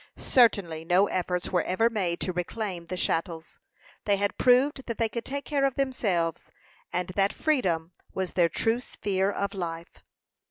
Certainly no efforts were ever made to reclaim the chattels. They had proved that they could take care of themselves, and that freedom was their true sphere of life.